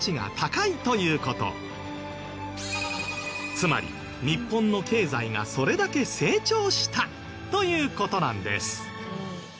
つまり日本の経済がそれだけ成長したという事なんです。